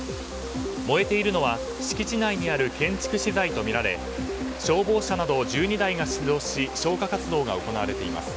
燃えているのは敷地内にある建築資材とみられ消防車など１２台が出動し消火活動が行われています。